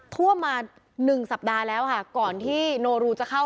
ท่วมมาหนึ่งสัปดาห์แล้วค่ะก่อนที่โนรูจะเข้า